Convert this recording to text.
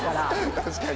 確かに。